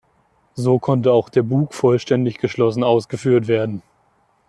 So konnte auch der Bug vollständig geschlossen ausgeführt werden.